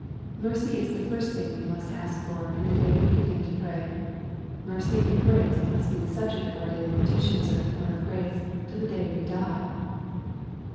Mercy is the first thing we must ask for in the day we begin to pray. Mercy and grace must be the subject of our daily petitions at the throne of grace till the day we die.